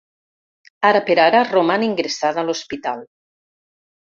Ara per ara, roman ingressada a l’hospital.